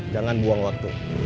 jangan buang waktu